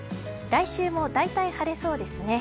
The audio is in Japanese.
来週も大体晴れそうですね。